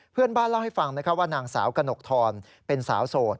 เพื่อนบ้านเล่าให้ฟังว่านางสาวกระหนกทรเป็นสาวโสด